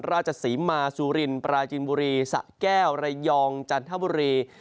ราชศรีมาสุรินปราจินบุรีสะแก้วระยองจันทบุรี